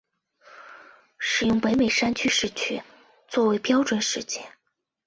使用北美山区时区作为标准时间。